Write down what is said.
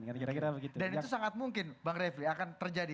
dan itu sangat mungkin bang refli akan terjadi